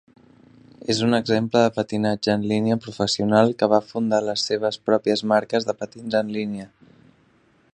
És un exemple de patinatge en línia professional que va fundar les seves pròpies marques de patins en línia.